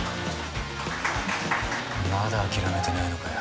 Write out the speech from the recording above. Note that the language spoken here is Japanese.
まだ諦めてねえのかよ